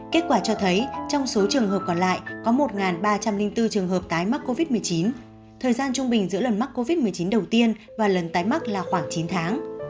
kết quả cho thấy trong số trường hợp còn lại có một ba trăm linh bốn trường hợp tái mắc covid một mươi chín thời gian trung bình giữa lần mắc covid một mươi chín đầu tiên và lần tái mắc là khoảng chín tháng